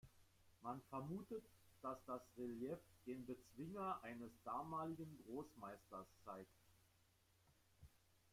Man vermutet, dass das Relief den Bezwinger eines damaligen Großmeisters zeigt.